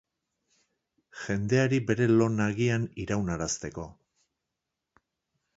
Jendeari bere lo nagian iraunarazteko.